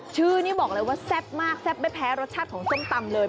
ชื่อนี่บอกเลยว่าแซ่บมากแซ่บไม่แพ้รสชาติของส้มตำเลย